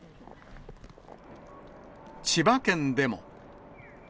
千葉県でも。